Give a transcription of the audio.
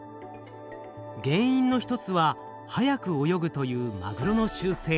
原因の１つは速く泳ぐというマグロの習性。